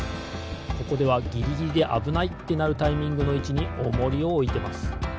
ここではギリギリであぶないってなるタイミングのいちにオモリをおいてます。